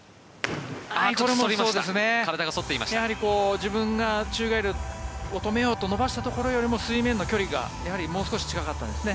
自分が宙返りを止めようと伸ばしたところよりも水面の距離がもう少し近かったですね。